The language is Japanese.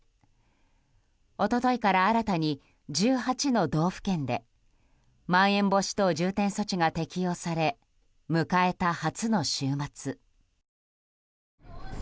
一昨日から新たに１８の道府県でまん延防止等重点措置が適用され迎えた初の週末。